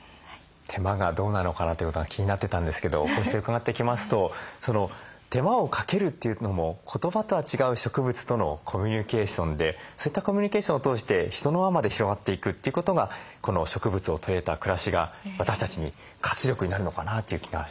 手間がどうなのかなということが気になってたんですけどこうして伺ってきますと手間をかけるというのも言葉とは違う植物とのコミュニケーションでそういったコミュニケーションを通して人の輪まで広がっていくっていうことがこの植物を取り入れた暮らしが私たちに活力になるのかなという気がしましたね。